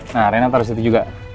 nah rena taruh di situ juga